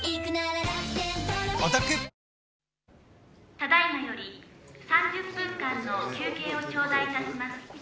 「ただ今より３０分間の休憩を頂戴いたします」